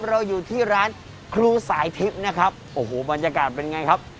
เราอยู่ที่ร้านครูสายทิพย์นะครับโอ้โหบรรยากาศเป็นไงครับ